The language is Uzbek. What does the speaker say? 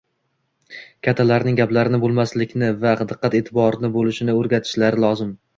kattalarning gaplarini bo‘lmaslikni va diqqat-eʼtiborli bo‘lishni o‘rgatishlari lozim.